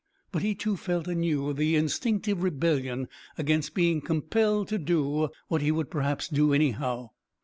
But he too felt anew the instinctive rebellion against being compelled to do what he would perhaps do anyhow.